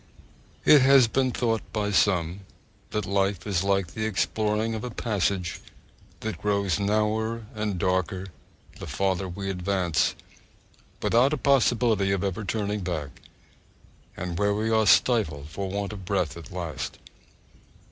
It has been thought by some that life is like the exploring of a passage that grows narrower and darker the farther we advance, without a possibility of ever turning back, and where we are stifled for want of breath at last.